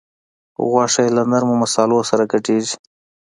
غوښه یې له نرمو مصالحو سره ګډیږي.